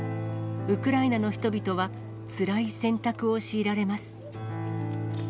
ウクライナの人々は、つらい選択を強いられます。